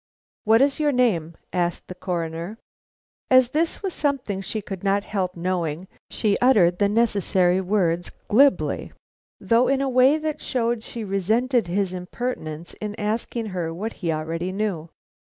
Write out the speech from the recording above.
"What is your name?" asked the Coroner. As this was something she could not help knowing, she uttered the necessary words glibly, though in a way that showed she resented his impertinence in asking her what he already knew.